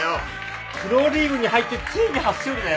プロリーグに入ってついに初勝利だよ。